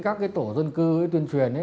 các tổ dân cư tuyên truyền